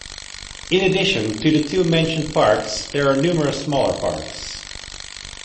In addition to the two mentioned parks there are numerous smaller parks.